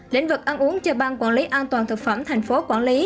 lĩnh vực ăn uống cho ban quản lý an toàn thực phẩm tp hcm